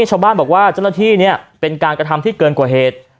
ชาวบ้านบอกว่าเจ้าหน้าที่เนี่ยเป็นการกระทำที่เกินกว่าเหตุ